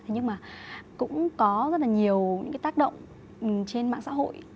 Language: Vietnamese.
nhưng mà cũng có rất là nhiều những cái tác động trên mạng xã hội